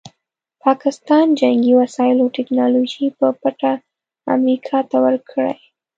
پاکستان جنګي وسایلو ټیکنالوژي په پټه امریکا ته ورکړې ده.